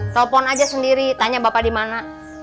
telepon aja sendiri tanya bapak di mana